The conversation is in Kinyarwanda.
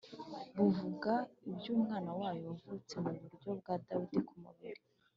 buvuga iby’Umwana wayo wavutse mu rubyaro rwa Dawidi ku mubiri,